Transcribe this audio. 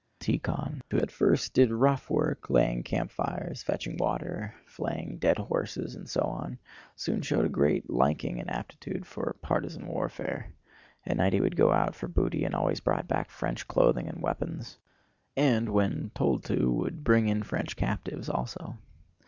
Tíkhon, who at first did rough work, laying campfires, fetching water, flaying dead horses, and so on, soon showed a great liking and aptitude for partisan warfare. At night he would go out for booty and always brought back French clothing and weapons, and when told to would bring in French captives also.